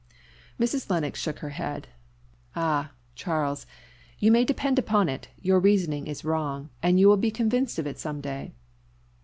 Mrs. Lennox shook her head. "Ah! Charles, you may depend upon it your reasoning is wrong, and you will be convinced of it some day."